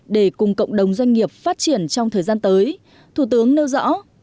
để cùng cộng đồng doanh nghiệp phát triển trong thời gian tới thủ tướng nêu rõ